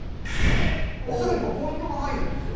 すぐにポイントが入るんですよ。